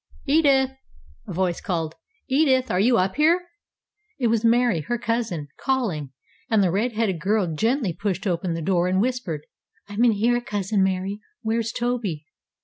"Edith!" a voice called. "Edith, are you up here?" It was Mary, her cousin, calling, and the red haired girl gently pushed open the door, and whispered. "I'm in here, cousin Mary. Where's Toby?"